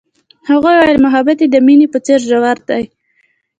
هغې وویل محبت یې د مینه په څېر ژور دی.